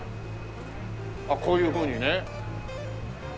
こういうふうにね。